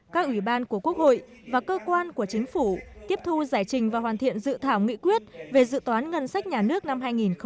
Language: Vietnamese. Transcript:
các ủy ban của quốc hội và cơ quan của chính phủ tiếp thu giải trình và hoàn thiện dự thảo nghị quyết về dự toán ngân sách nhà nước năm hai nghìn hai mươi